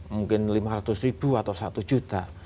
mungkin lima ratus ribu atau satu juta